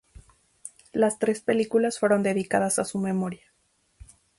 Las tres películas fueron dedicadas a su memoria.